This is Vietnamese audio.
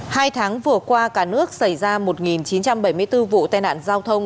hai tháng vừa qua cả nước xảy ra một chín trăm bảy mươi bốn vụ tai nạn giao thông